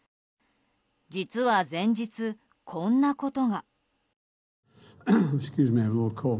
実は前日、こんなことが。